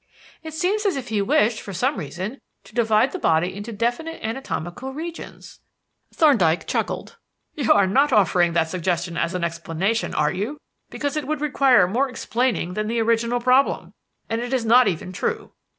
"It seems as if he wished, for some reason, to divide the body into definite anatomical regions." Thorndyke chuckled. "You are not offering that suggestion as an explanation, are you? Because it would require more explaining than the original problem. And it is not even true.